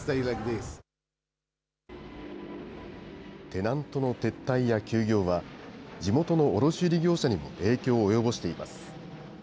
テナントの撤退や休業は、地元の卸売業者にも影響を及ぼしています。